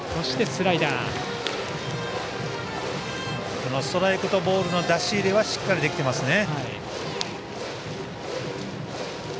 ストライクとボールの出し入れはしっかりできていますね。